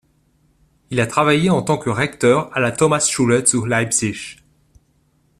Il a travaillé en tant que recteur à la Thomasschule zu Leipzig.